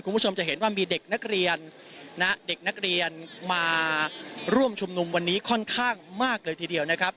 คุณผู้ชมจะเห็นว่ามีเด็กนักเรียนณเด็กนักเรียนมาร่วมชุมนุมวันนี้ค่อนข้างมากเลยทีเดียวนะครับ